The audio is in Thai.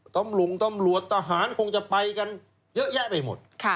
ต้มหลุงต้มหลวดต่อหารคงจะไปกันเยอะแยะไปหมด